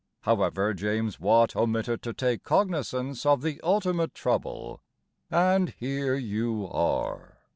However, James Watt Omitted to take cognisance of the ultimate trouble, And here you are.